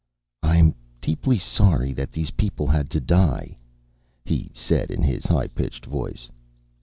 "I'm deeply sorry that these people had to die," he said in his high pitched voice.